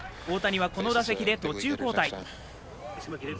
大谷は、この打席で途中交代。